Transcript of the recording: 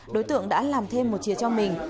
đối tượng đã làm thêm một chiều cho mình